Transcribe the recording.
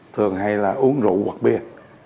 thường hay là uống rượu hoặc bia